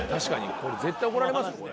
これ絶対怒られますよこれ。